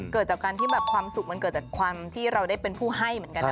เกิดจากการที่แบบความสุขมันเกิดจากความที่เราได้เป็นผู้ให้เหมือนกันนะ